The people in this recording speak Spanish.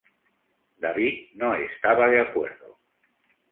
David no estaba de acuerdo.